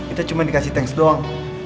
itu cuma dikasih teks doang